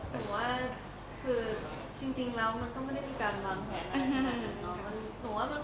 คือจริงแล้วมันก็ไม่ได้มีการวางแผนอะไรมาแต่นะ